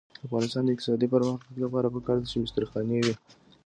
د افغانستان د اقتصادي پرمختګ لپاره پکار ده چې مستري خانې وي.